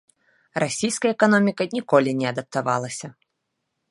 Расійская эканоміка ніколі не адаптавалася.